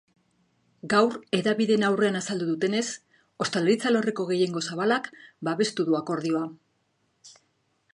Gaur hedabideen aurrean azaldu dutenez, ostalaritza alorreko gehiengo zabalak babestu du akordioa.